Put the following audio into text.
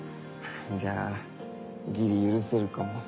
じゃあギリ許せるかも。